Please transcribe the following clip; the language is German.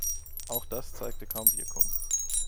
Auch das zeigte kaum Wirkung.